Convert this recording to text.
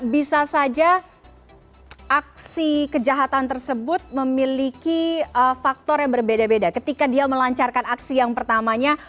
bisa saja aksi kejahatan tersebut memiliki faktor yang berbeda beda ketika dia melancarkan aksi yang pertamanya